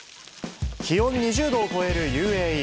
気温２０度を超えるＵＡＥ。